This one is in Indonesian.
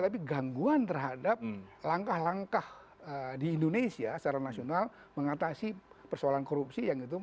tapi gangguan terhadap langkah langkah di indonesia secara nasional mengatasi persoalan korupsi yang itu